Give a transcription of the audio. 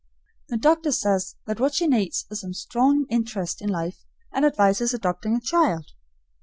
The doctor says that what she needs is some strong interest in life, and advises adopting a child.